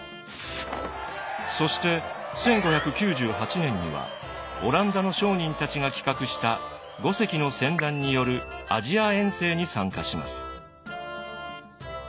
そして１５９８年にはオランダの商人たちが企画した５隻の船団によるアジア遠征に参加します。